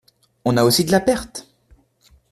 On a aussi de la perte!